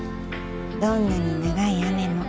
「どんなに長い雨も」